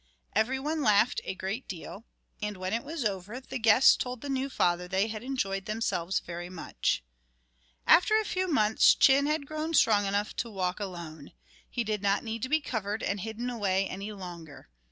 Every one laughed a great deal, and when it was over the guests told the new father they had enjoyed themselves very much. After a few months, Chin had grown strong enough to walk alone. He did not need to be covered and hidden away any longer.